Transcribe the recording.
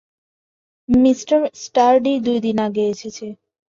Me Sturdy দুদিন আগে এসেছে।